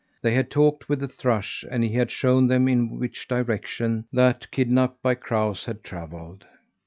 They had talked with the thrush, and he had shown them in which direction that Kidnapped by Crows had travelled.